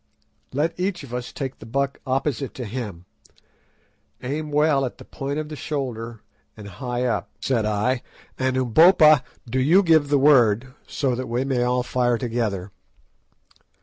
"Let each of us take the buck opposite to him. Aim well at the point of the shoulder and high up," said I; "and Umbopa, do you give the word, so that we may all fire together."